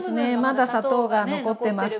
まだ砂糖が残ってますね。